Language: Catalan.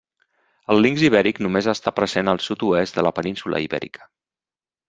El linx ibèric només està present al sud-oest de la península Ibèrica.